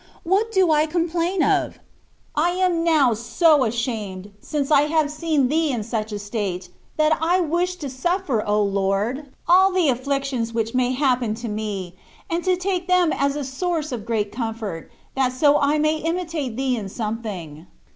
What do I complain of? I am now so ashamed, since I have seen Thee in such a state, that I wish to suflfer, O Lord ! all the affictions THE WAY OF PERFECTION. 127 whicli may happen to me^ and to take tliem as a source of great comfort^ that so I may imitate Thee in something.